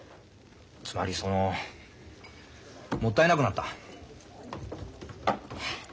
つまりそのもったいなくなった。え！？